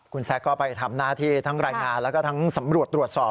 คุณแซคก็ไปทำหน้าที่ทั้งรายงานแล้วก็ทั้งสำรวจตรวจสอบ